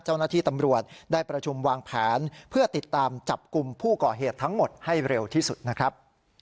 เจ้าหน้าที่ตำรวจได้ประชุมวางแผนเพื่อติดตามจับกลุ่มผู้ก่อเหตุทั้งหมดให้เร็วที่สุดนะครับ